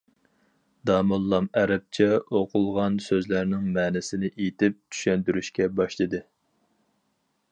داموللام ئەرەبچە ئوقۇلغان سۆزلەرنىڭ مەنىسىنى ئېيتىپ، چۈشەندۈرۈشكە باشلىدى.